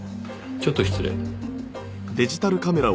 ちょっと失礼。